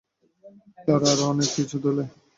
তার আরো অনেক কিছু দোলে।